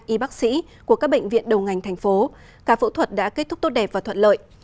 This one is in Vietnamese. y bác sĩ của các bệnh viện đầu ngành thành phố cả phẫu thuật đã kết thúc tốt đẹp và thuận lợi